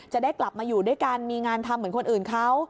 จะได้กลับมาอยู่ด้วยกันมีงานทำเหมือนคนอื่นเขา